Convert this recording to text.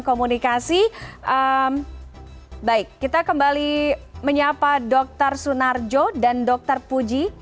kita kembali menyapa dr sunarjo dan dr puji